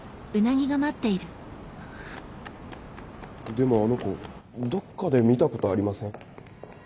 でもあの子どっかで見たことありません？